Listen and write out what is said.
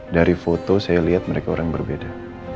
dari foto saya lihat mereka orang berbeda